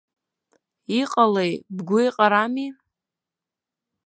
Иҟалеи, бгәы еиҟарами?